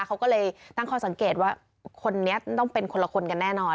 เขาก็เลยตั้งข้อสังเกตว่าคนนี้ต้องเป็นคนละคนกันแน่นอน